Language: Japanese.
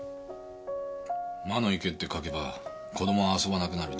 魔の池って書けば子供は遊ばなくなる。